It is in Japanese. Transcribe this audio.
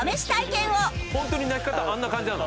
ホントに泣き方あんな感じなの？